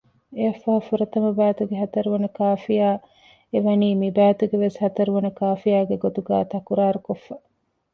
އެއަށްފަހު ފުރަތަމަ ބައިތުގެ ހަތަރުވަނަ ކާފިޔާ އެ ވަނީ މި ބައިތުގެ ވެސް ހަތަރުވަނަ ކާފިޔާގެ ގޮތުގައި ތަކުރާރުކޮށްފަ